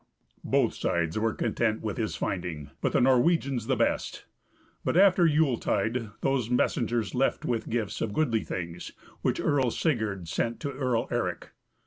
Both sides were content with his finding, but the Norwegians the best. But after Yule tide those messengers left with gifts of goodly things, which Earl Sigurd sent to Earl Eric.